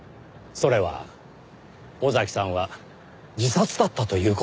それは尾崎さんは自殺だったという事です。